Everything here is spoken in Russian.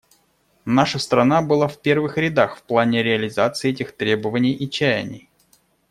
Наша страна была в первых рядах в плане реализации этих требований и чаяний.